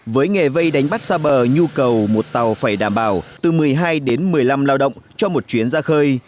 với nghề vây đánh bắt xa bờ nhu cầu một tàu phải đảm bảo từ một mươi hai đến một mươi năm lao động cho một chuyến ra khơi